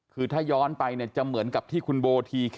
คือถ้าย้อนไปเนี่ยจะเหมือนกับที่คุณโบที